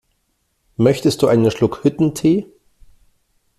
Möchtest du einen Schluck Hüttentee?